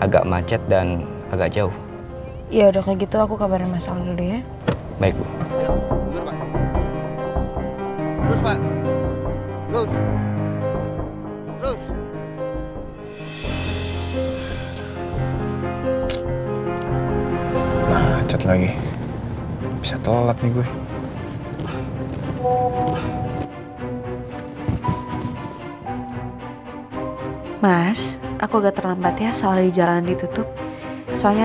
sampai jumpa di video selanjutnya